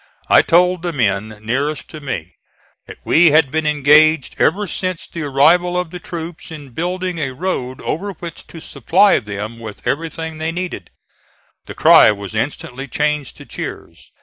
I told the men nearest to me that we had been engaged ever since the arrival of the troops in building a road over which to supply them with everything they needed. The cry was instantly changed to cheers.